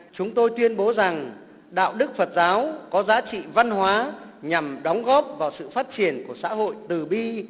chúng tôi tuyên bố rằng đạo đức phật giáo có giá trị văn hóa nhằm đóng góp vào sự phát triển của xã hội từ bi